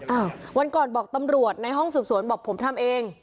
วันก่อนบอกตำรวจในห้องสืบสวนบอกผมทำเอง